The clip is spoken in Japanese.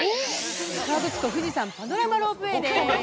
河口湖富士山パノラマロープウェイです。